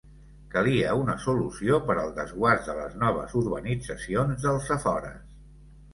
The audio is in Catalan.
Calia una solució per al desguàs de les noves urbanitzacions dels afores.